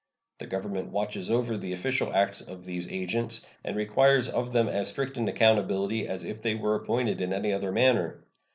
The Government watches over the official acts of these agents, and requires of them as strict an accountability as if they were appointed in any other manner.